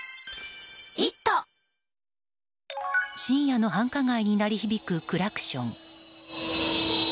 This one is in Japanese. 深夜の繁華街に鳴り響くクラクション。